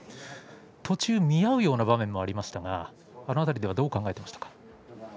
途中、見合うような場面もありましたがあの辺りではどう考えてましたか。